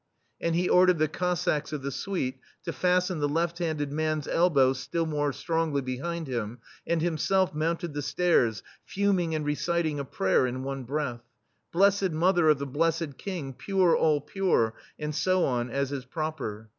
And he ordered the Cossacks of the Suite to fasten the left handed man's elbows still more strongly behind him, and himself mounted the stairs, fuming and reciting a prayer in one breath : "Blessed Mother of the Blessed King, pure, all pure," and so on, as is proper.